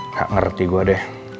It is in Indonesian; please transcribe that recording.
nggak ngerti gue deh